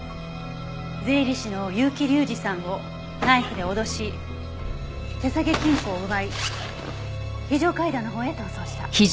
税理士の結城隆司さんをナイフで脅し手提げ金庫を奪い非常階段のほうへ逃走した。